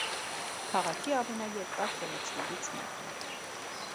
Քաղաքի ամենաերկար փողոցներից մեկն է։